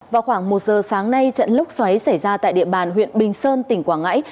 vào khoảng một giờ sáng nay trận lốc xoáy xảy ra tại địa bàn huyện bình sơn tỉnh quảng ngãi